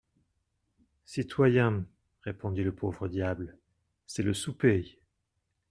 Citoyen, répondit le pauvre diable, c'est le souper.